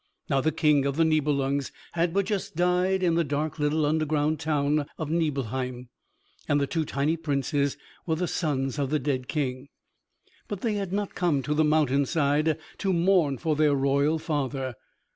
Now the King of the Nibelungs had but just died in the dark little underground town of Nibelheim, and the two tiny princes were the sons of the dead King. But they had not come to the mountain side to mourn for their royal father.